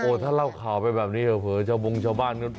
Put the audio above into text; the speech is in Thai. ถ้าเล่าข่าวไปแบบนี้เผลอชาวบงชาวบ้านก็